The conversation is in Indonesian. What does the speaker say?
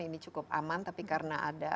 ini cukup aman tapi karena ada